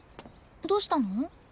どうしたの？